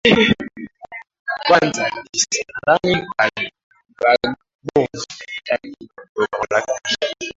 kwanza kabisa nadhani bagdbo hataki kuondoka mamlaka